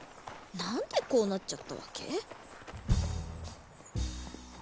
なんでこうなっちゃったわけ？